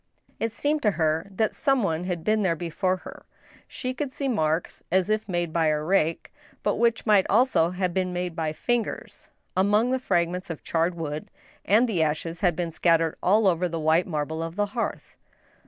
It seemed to her that some one had been there before her. She could see marks, as if made by a rake, but which might also have been made by fingers, among the fragments of charred wood, and the ashes had been scattered all over the white marble of the hearth.